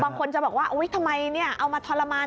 บางคนจะบอกว่าทำไมเอามาทรมาน